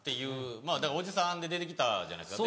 まぁだからおじさんで出て来たじゃないですか。